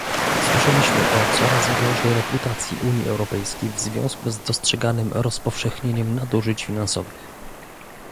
Słyszeliśmy o coraz gorszej reputacji Unii Europejskiej w związku z dostrzeganym rozpowszechnieniem nadużyć finansowych